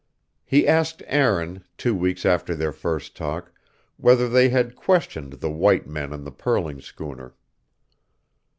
He asked Aaron, two weeks after their first talk, whether they had questioned the white men on the pearling schooner.